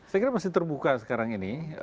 saya kira masih terbuka sekarang ini